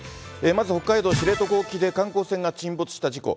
まず北海道知床沖で観光船が沈没した事故。